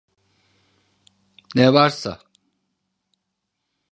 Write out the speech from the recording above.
Ne varsa…